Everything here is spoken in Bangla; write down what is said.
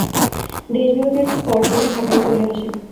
দেশবিভাগের পর তিনি ঢাকায় চলে আসেন।